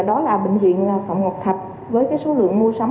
đó là bệnh viện phạm ngọc thạch với số lượng mua sắm